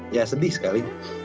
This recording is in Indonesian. ya sedih sekali